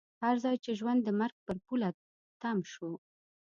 هر ځای چې ژوند د مرګ پر پوله تم شو.